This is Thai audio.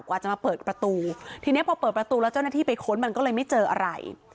อาจจะมาเปิดประตูทีนี้พอเปิดประตูแล้วเจ้าหน้าที่ไปค้นมันก็เลยไม่เจออะไร